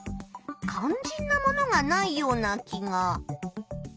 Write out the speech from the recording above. かんじんなものがないような気が。